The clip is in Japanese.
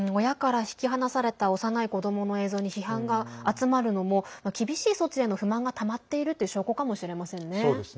親から引き離された幼い子どもの映像に批判が集まるのも厳しい措置への不満がたまっているという証拠かもしれませんね。